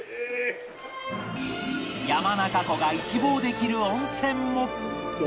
山中湖が一望できる温泉も